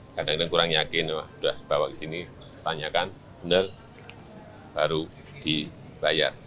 kadang kadang kurang yakin sudah bawa ke sini tanyakan benar baru dibayar